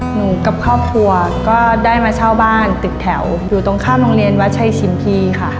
หนูกับครอบครัวก็ได้มาเช่าบ้านตึกแถวอยู่ตรงข้ามโรงเรียนวัดชัยชินพีค่ะ